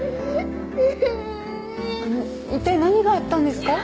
あの一体何があったんですか？